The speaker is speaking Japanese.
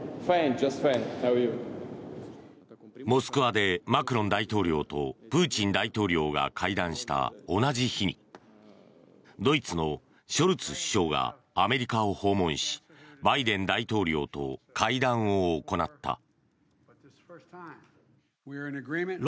モスクワでマクロン大統領とプーチン大統領が会談した同じ日にドイツのショルツ首相がアメリカを訪問しバイデン大統領と会談を行った。